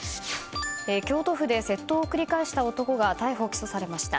京都府で窃盗を繰り返した男が逮捕・起訴されました。